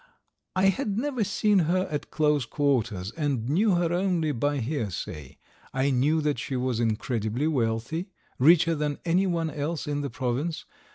I had never seen her at close quarters, and knew her only by hearsay. I knew that she was incredibly wealthy, richer than anyone else in the province.